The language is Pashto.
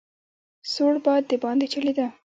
سوړ باد دباندې چلېده.